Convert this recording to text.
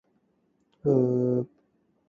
有益健康